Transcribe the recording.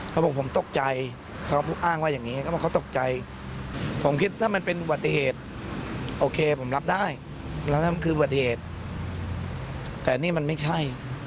เขาบอกผมตกใจเขาอ้างว่าอย่างนี้เขาบอกเขาตกใจผมคิดถ้ามันเป็นอุบัติเหตุโอเคผมรับได้แล้วนั่นคืออุบัติเหตุแต่นี่มันไม่ใช่